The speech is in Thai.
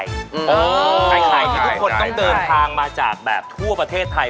ไอ้ไข่ที่ทุกคนต้องเดินทางมาจากแบบทั่วประเทศไทย